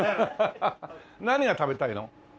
何が食べたいの？